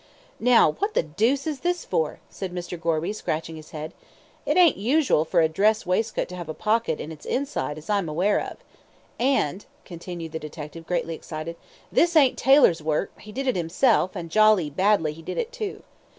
"Now, what the deuce is this for?" said Mr. Gorby, scratching his head; "it ain't usual for a dress waistcoat to have a pocket on its inside as I'm aware of; and," continued the detective, greatly excited, "this ain't tailor's work, he did it himself, and jolly badly he did it too.